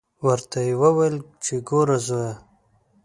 ورته ویې ویل چې ګوره زویه.